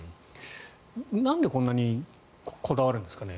なんでこんなにこだわるんですかね。